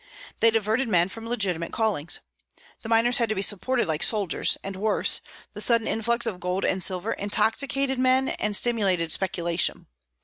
They diverted men from legitimate callings. The miners had to be supported like soldiers; and, worse, the sudden influx of gold and silver intoxicated men and stimulated speculation.